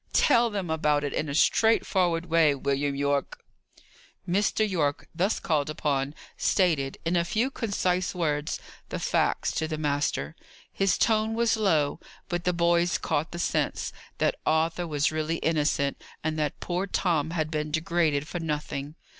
Tell them about it in a straightforward way, William Yorke." Mr. Yorke, thus called upon, stated, in a few concise words, the facts to the master. His tone was low, but the boys caught the sense, that Arthur was really innocent, and that poor Tom had been degraded for nothing.